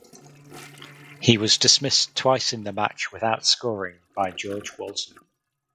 He was dismissed twice in the match without scoring by George Walton.